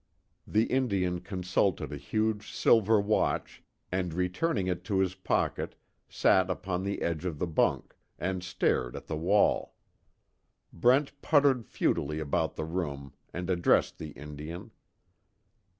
The Indian consulted a huge silver watch, and returning it to his pocket, sat upon the edge of the bunk, and stared at the wall. Brent puttered futilely about the room, and addressed the Indian.